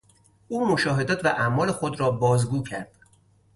او مشاهدات و اعمال خود را بازگو کرد.